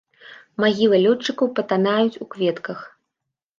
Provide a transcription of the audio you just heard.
Магілы лётчыкаў патанаюць у кветках.